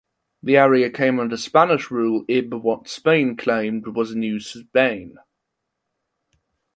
The area came under Spanish rule ib what Spain claimed was New Spain.